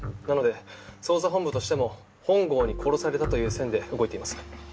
なので捜査本部としても本郷に殺されたという線で動いています。